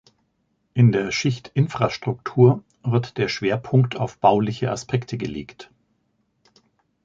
In der Schicht Infrastruktur wird der Schwerpunkt auf bauliche Aspekte gelegt.